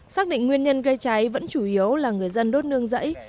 xác định nguyên nhân gây cháy vẫn chủ yếu là người dân đốt nương rẫy